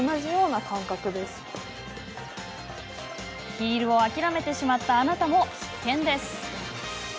ヒールを諦めてしまったあなたも必見です。